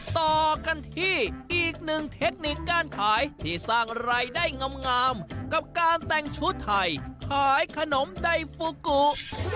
ต่อกันที่อีกหนึ่งเทคนิคการขายที่สร้างรายได้งามกับการแต่งชุดไทยขายขนมไดฟูกุ